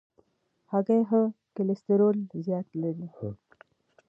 هګۍ ښه کلسترول زیات لري.